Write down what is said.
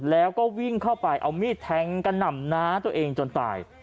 แล้วก็วิ่งเข้าไปเอามีดแทงกระหน่ำน้าตัวเองจนตาย